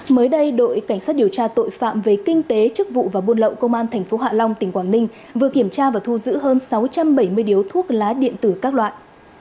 mới đây đội cảnh sát điều tra tội phạm về kinh tế chức vụ và buôn lậu công an tp hạ long tỉnh quảng ninh vừa kiểm tra và thu giữ hơn sáu trăm bảy mươi điếu thuốc lá điện tử các loại